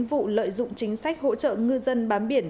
vụ lợi dụng chính sách hỗ trợ ngư dân bám biển